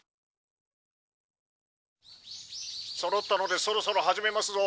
「そろったのでそろそろ始めますぞ」。